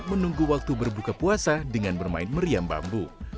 menunggu waktu berbuka puasa dengan bermain meriam bambu